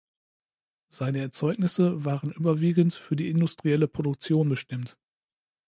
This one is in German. Seine Erzeugnisse waren überwiegend für die industrielle Produktion bestimmt.